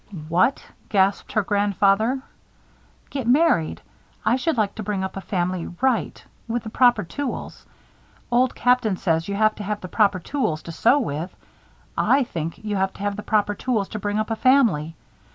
"What!" gasped her grandfather. "Get married. I should like to bring up a family right with the proper tools. Old Captain says you have to have the proper tools to sew with. I think you have to have the proper tools to bring up a family.